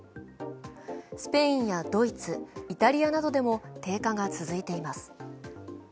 スペインやドイツ、イタリアなどでも低下が続いています。